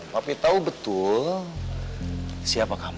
satu satu saja anu